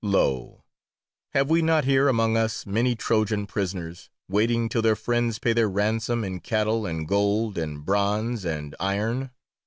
Lo! have we not here among us many Trojan prisoners, waiting till their friends pay their ransom in cattle and gold and bronze and iron?